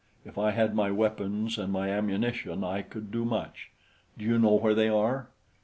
"If I had my weapons and my ammunition, I could do much. Do you know where they are?"